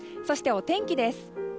そして、お天気です。